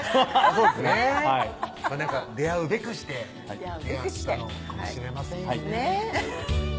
そうですね出会うべくして出会ったのかもしれませんよね